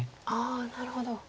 なるほど。